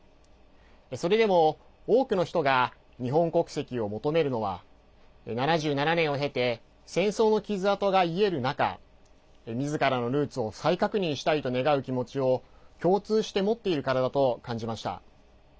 それでも、多くの人が日本国籍を求めるのは７７年を経て戦争の傷痕が癒える中みずからのルーツを再確認したいと願う気持ちを共通して持っているからだと感じました。